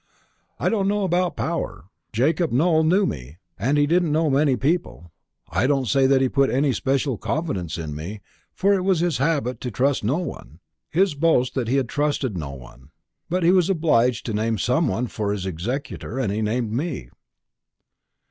"I don't know about power. Jacob Nowell knew me, and he didn't know many people. I don't say that he put any especial confidence in me for it was his habit to trust no one, his boast that he trusted no one. But he was obliged to name some one for his executor, and he named me."